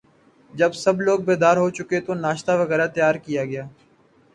جب سب لوگ بیدار ہو چکے تو ناشتہ وغیرہ تیار کیا گیا